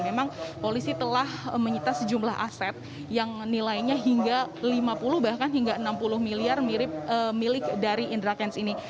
memang polisi telah menyita sejumlah aset yang nilainya hingga lima puluh bahkan hingga enam puluh miliar milik dari indra kents ini